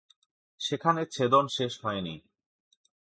সেখানে ছেদন শেষ হয়নি।